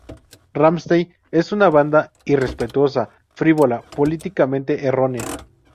Rammstein es una banda irrespetuosa, frívola, políticamente errónea.